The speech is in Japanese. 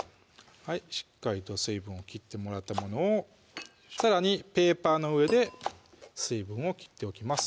しっかりと水分を切ってもらったものをさらにペーパーの上で水分を切っておきます